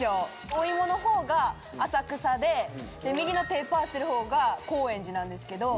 お芋のほうが浅草で右の手パしてるほうが高円寺なんですけど。